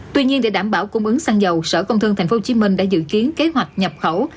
tuy nhiên để đảm bảo cung ứng sang dầu sở công thương thành phố hồ chí minh đã dự kiến kế hoạch nhập khẩu